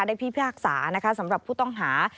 พิพากษานะคะสำหรับผู้ต้องหา